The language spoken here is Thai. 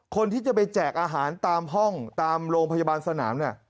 คนที่จะไปแจกอาหารตามห้องตามโรงพยาบาลสนามเนี่ย